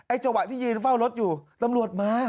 จังหวะที่ยืนเฝ้ารถอยู่ตำรวจมา